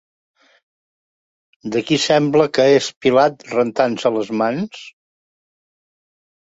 De qui sembla que és Pilat rentant-se les mans?